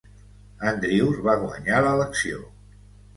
Andrews va guanyar l'elecció.